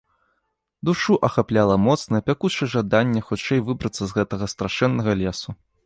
Душу ахапляла моцнае, пякучае жаданне хутчэй выбрацца з гэтага страшэннага лесу.